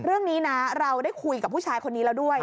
เรื่องนี้นะเราได้คุยกับผู้ชายคนนี้แล้วด้วย